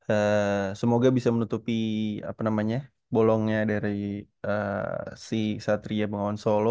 eh semoga bisa menutupi apa namanya bolongnya dari eh si ksatria mengawan solo